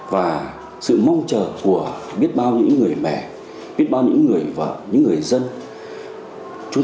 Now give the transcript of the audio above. và đồng bào khắp mọi miền đất nước